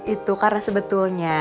itu karena sebetulnya